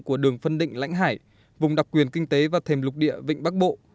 của đường phân định lãnh hải vùng đặc quyền kinh tế và thềm lục địa vịnh bắc bộ